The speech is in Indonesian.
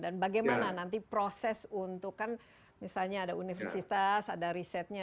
dan bagaimana nanti proses untuk kan misalnya ada universitas ada risetnya